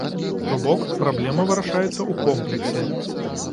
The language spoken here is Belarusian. То бок, праблема вырашаецца ў комплексе.